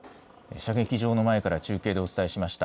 射撃場の前から中継でお伝えしました。